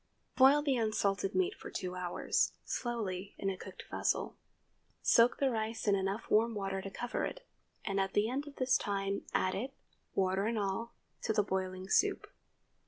Boil the unsalted meat for two hours, slowly, in a covered vessel. Soak the rice in enough warm water to cover it, and at the end of this time add it, water and all, to the boiling soup.